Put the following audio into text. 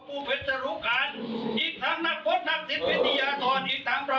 อุ้มพุทธพระเจ้าของข้าอาจารย์ตั้งหลายตัวเทพเต้วราของจักรวรรดิ